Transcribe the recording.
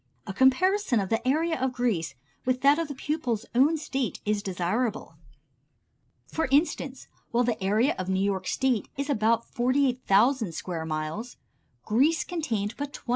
A comparison of the area of Greece with that of the pupil's own State is desirable. For instance, while the area of New York State is about 48,000 square miles, Greece contained but 21,000.